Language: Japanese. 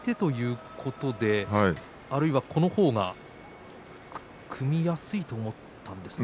あるいはこの方が組みやすいと思ったんでしょうか。